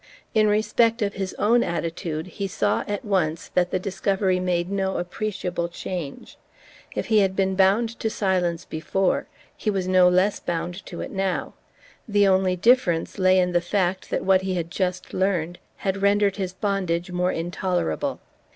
In respect of his own attitude, he saw at once that the discovery made no appreciable change. If he had been bound to silence before, he was no less bound to it now; the only difference lay in the fact that what he had just learned had rendered his bondage more intolerable.